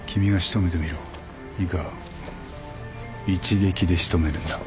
いいか一撃で仕留めるんだ。